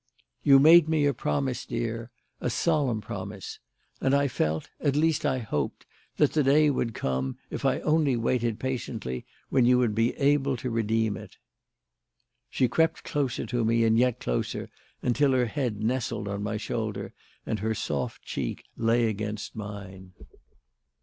"You made me a promise, dear a solemn promise; and I felt at least I hoped that the day would come, if I only waited patiently, when you would be able to redeem it." She crept closer to me and yet closer, until her head nestled on my shoulder and her soft cheek lay against mine.